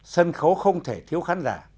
sân khấu không thể thiếu khán giả